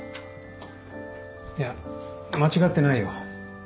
いや間違ってないよ。